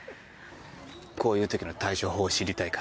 こういうときの対処法を知りたいか？